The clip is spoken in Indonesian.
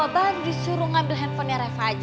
baru disuruh ngambil hp nya reva aja